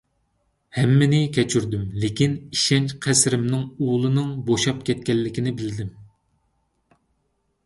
ھەممىنى كەچۈردۈم. لېكىن، ئىشەنچ قەسرىمنىڭ ئۇلىنىڭ بوشاپ كەتكەنلىكىنى بىلدىم.